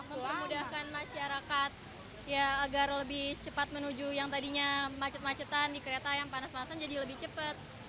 mempermudahkan masyarakat ya agar lebih cepat menuju yang tadinya macet macetan di kereta yang panas panasan jadi lebih cepat